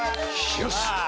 よし！